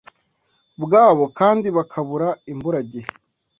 bwabo Kandi bakabura imburagihe